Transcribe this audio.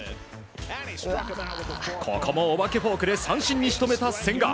ここもお化けフォークで三振に仕留めた千賀。